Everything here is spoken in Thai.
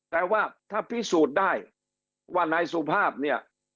แต่ว่าถ้าพิสูจน์ได้ว่านายสุภาพเนี่ย